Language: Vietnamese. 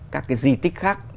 các cái di tích khác